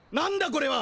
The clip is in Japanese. これは。